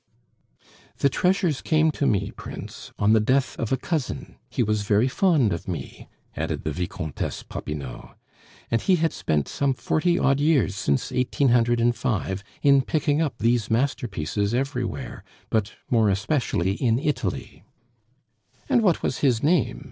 "The treasures came to me, prince, on the death of a cousin. He was very fond of me," added the Vicomtesse Popinot, "and he had spent some forty odd years since 1805 in picking up these masterpieces everywhere, but more especially in Italy " "And what was his name?"